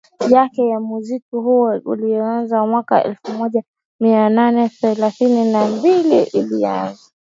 yake ya Muziki huo aliyoianza mwaka elfu moja mia nane thelathini na mbili Nilianza